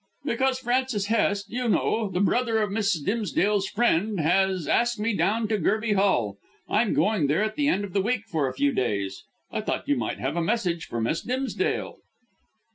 "Because Francis Hest you know, the brother of Miss Dimsdale's friend has asked me down to Gerby Hall. I am going there at the end of the week for a few days. I thought you might have a message for Miss Dimsdale."